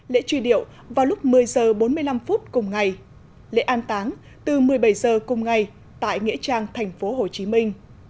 lễ truy điệu vào lúc một mươi h bốn mươi năm phút cùng ngày lễ an táng từ một mươi bảy h cùng ngày tại nghĩa trang thành phố hồ chí minh